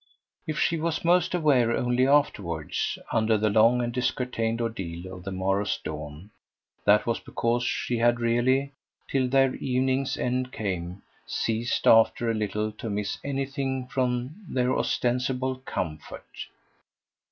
If she was most aware only afterwards, under the long and discurtained ordeal of the morrow's dawn, that was because she had really, till their evening's end came, ceased after a little to miss anything from their ostensible comfort.